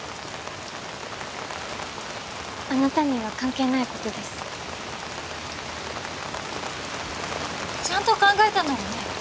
あなたには関係ないことですちゃんと考えたのよね